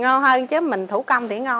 ngon hơn chứ mình thủ công thì ngon hơn